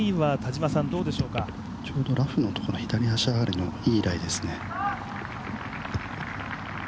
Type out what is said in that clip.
ちょうどラフのところの左足上がりのいいところですね。